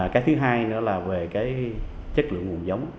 cái thứ hai nữa là về cái chất lượng nguồn giống